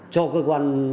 cho cơ quan